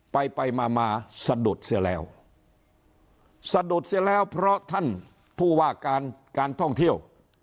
ไปไปมามาสะดุดเสียแล้วสะดุดเสียแล้วเพราะท่านผู้ว่าการการท่องเที่ยว